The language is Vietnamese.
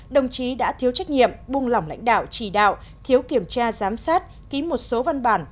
đồng chí đã thiếu trách nhiệm buông lỏng lãnh đạo chỉ đạo thiếu kiểm tra giám sát ký một số văn bản